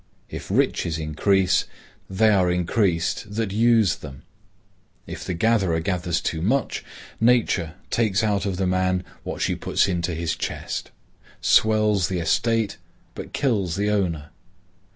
If riches increase, they are increased that use them. If the gatherer gathers too much, Nature takes out of the man what she puts into his chest; swells the estate, but kills the owner.